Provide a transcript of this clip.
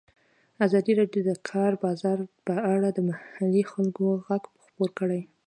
ازادي راډیو د د کار بازار په اړه د محلي خلکو غږ خپور کړی.